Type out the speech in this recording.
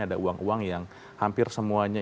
ada uang uang yang hampir semuanya